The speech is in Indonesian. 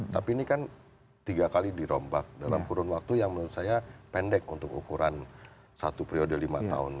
tapi ini kan tiga kali dirombak dalam kurun waktu yang menurut saya pendek untuk ukuran satu periode lima tahun